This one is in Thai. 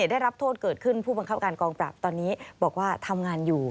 ได้รับโทษเกิดขึ้นผู้บังคับการกองปราบตอนนี้บอกว่าทำงานอยู่